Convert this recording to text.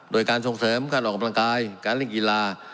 โดยการส่งเสริมการออกกำลังกายการเล่นกีฬา